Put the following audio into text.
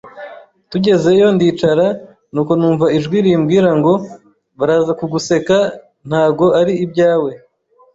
tugezeyo ndicara, nuko numva ijwi rimbwira ngo baraza ku guseka ntago ari ibyawe...